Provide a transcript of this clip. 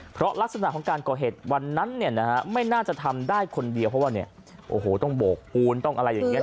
เพราะลักษณะของการก่อเหตุวันนั้นเนี่ยนะฮะไม่น่าจะทำได้คนเดียวเพราะว่าเนี่ยโอ้โหต้องโบกปูนต้องอะไรอย่างนี้